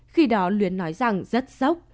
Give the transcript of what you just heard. khi đó luyến nói rằng rất sốc